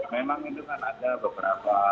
memang itu kan ada beberapa